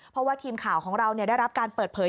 เพราะว่าทีมข่าวของเราได้รับการเปิดเผย